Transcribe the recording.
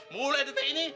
mulai detik ini